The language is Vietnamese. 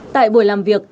tại buổi làm việc